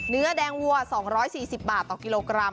เนื้อแดงวัว๒๔๐บาทต่อกิโลกรัม